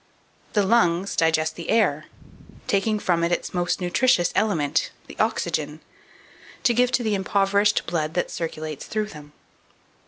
The lungs digest the air, taking from it its most nutritious element, the oxygen, to give to the impoverished blood that circulates through them.